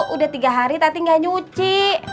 udah tiga hari tadi gak nyuci